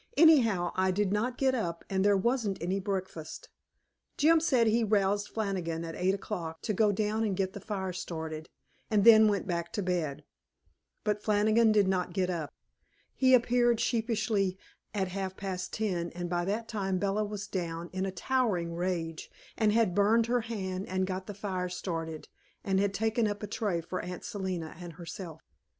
Anyhow, I did not get up, and there wasn't any breakfast. Jim said he roused Flannigan at eight o'clock, to go down and get the fire started, and then went back to bed. But Flannigan did not get up. He appeared, sheepishly, at half past ten, and by that time Bella was down, in a towering rage, and had burned her hand and got the fire started, and had taken up a tray for Aunt Selina and herself.